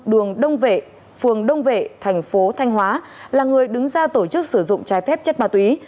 đường đông vệ phường đông vệ thành phố thanh hóa là người đứng ra tổ chức sử dụng trái phép chất ma túy